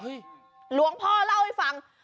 หลวงพ่อเล่าให้ฟัง